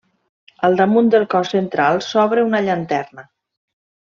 Al damunt del cos central s'obre una llanterna.